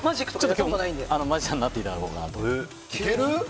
今日はマジシャンになっていただこうかなと。